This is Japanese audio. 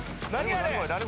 あれ。